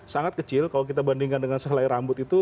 sangat kecil kalau kita bandingkan dengan sehelai rambut itu